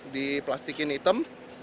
di plastikin hitam